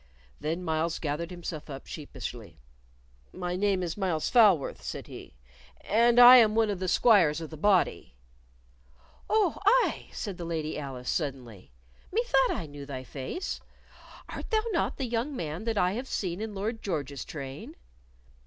Then Myles gathered himself up sheepishly. "My name is Myles Falworth," said he, "and I am one of the squires of the body." "Oh! aye!" said the Lady Alice, suddenly. "Me thought I knew thy face. Art thou not the young man that I have seen in Lord George's train?"